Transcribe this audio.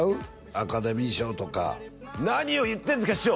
アカデミー賞とか何を言ってるんですか師匠！